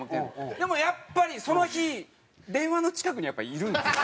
でもやっぱりその日電話の近くにいるんですよね。